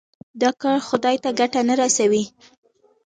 دا کار خدای ته ګټه نه رسوي.